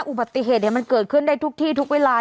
อุปสรรค์ไม่จะเกิดขึ้นทุกที่ทุกเวลา